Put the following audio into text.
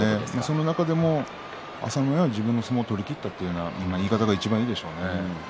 その中でも朝乃山は自分の相撲を取りきったという言い方がいいんでしょうね。